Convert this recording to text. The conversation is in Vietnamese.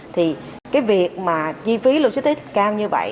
thì cái việc mà chi phí logistics cao như vậy